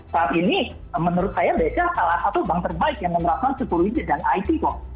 saat ini menurut saya bca salah satu bank terbaik yang menerapkan supervisi dan it kok